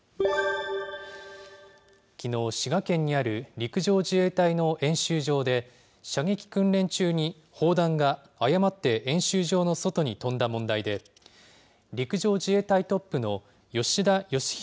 きのう、滋賀県にある陸上自衛隊の演習場で、射撃訓練中に砲弾が誤って演習場の外に飛んだ問題で、陸上自衛隊トップの吉田圭秀